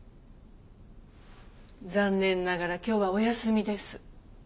残念ながら今日はお休みです。